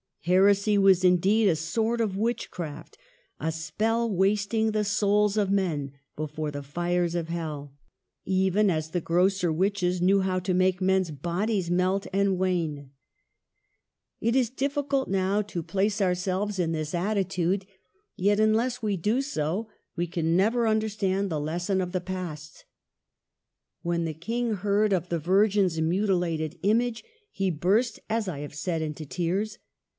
Heresy was, indeed, a sort of witchcraft, a spell wasting the souls of men before the fires of Hell, even as the grosser witches knew how to make men's bodies melt and wane. It is difficult now to place ourselves THE SORBONNE. 149 in this attitude; yet, unless we do so, we can never understand the lesson of the past. When the King heard of the Virgin's mutilated image, he burst, as I have said, into tears.